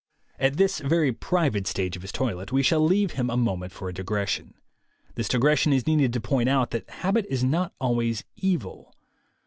At this very private stage of his toilet we shall leave him a moment for a digression. This digres sion is needed to point out that habit is not always evil.